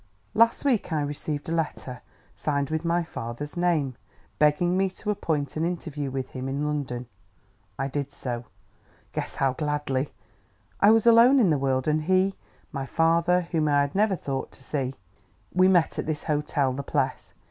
"Last week I received a letter, signed with my father's name, begging me to appoint an interview with him in London. I did so, guess how gladly! I was alone in the world, and he, my father, whom I had never thought to see.... We met at his hotel, the Pless.